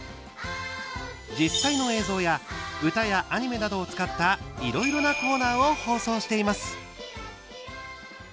実際の映像や歌やアニメなどを使ったいろいろなコーナーを放送しています。